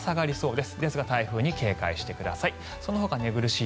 ですが、台風に警戒してください。